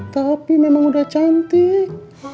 tapi memang udah cantik